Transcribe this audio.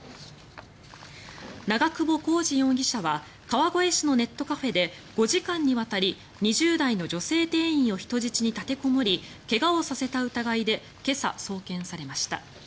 長久保浩二容疑者は川越市のネットカフェで５時間にわたり２０代の女性店員を人質に立てこもり怪我をさせた疑いで今朝、送検されました。